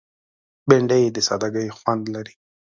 بېنډۍ د سادګۍ خوند لري